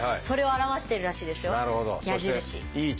それを表してるらしいですよ矢印。